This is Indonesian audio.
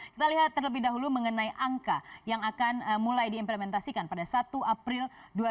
kita lihat terlebih dahulu mengenai angka yang akan mulai diimplementasikan pada satu april dua ribu dua puluh